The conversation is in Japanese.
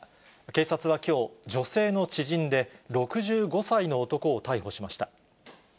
警察はきょう、女性の知人で、６５歳の男を逮捕しました。